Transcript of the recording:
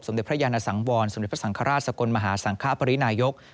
สมฤทธิ์พระยานสังวรสมฤทธิศาราชสกลมหาสังคปริญญายก